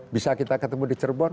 bisa kita ketemu di cirebon